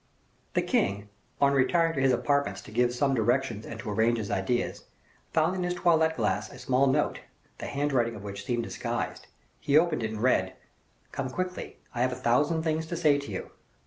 The king, on retiring to his apartments to give some directions and to arrange his ideas, found on his toilette glass a small note, the handwriting of which seemed disguised. He opened it and read "Come quickly, I have a thousand things to say to you."